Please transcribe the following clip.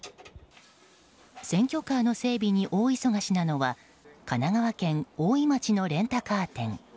選挙カーの整備に大忙しなのは神奈川県大井町のレンタカー店。